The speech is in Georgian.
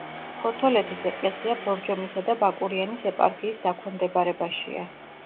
ფოთოლეთის ეკლესია ბორჯომისა და ბაკურიანის ეპარქიის დაქვემდებარებაშია.